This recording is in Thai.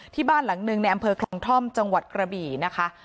ที่บ้านหลังหนึ่งในอำเภอคลองท่อมจังหวัดกระบี่นะคะ